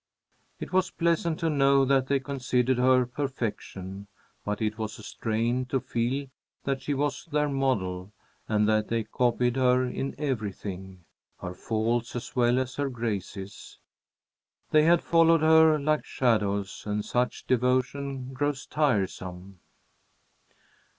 It was pleasant to know that they considered her perfection, but it was a strain to feel that she was their model, and that they copied her in everything, her faults as well as her graces. They had followed her like shadows, and such devotion grows tiresome.